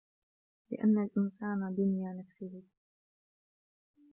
لِأَنَّ الْإِنْسَانَ دُنْيَا نَفْسِهِ